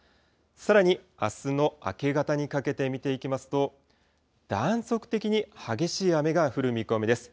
さらにあすの明け方にかけて見ていきますと、断続的に激しい雨が降る見込みです。